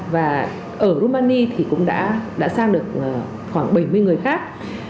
và ở rumani thì cũng đã sang được khoảng bảy mươi người khác